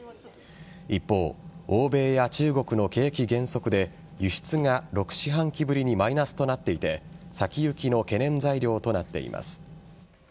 一方、欧米や中国の景気減速で輸出が６四半期ぶりにマイナスとなっていて先行きの懸念材料となっています。